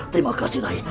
terima kasih rayi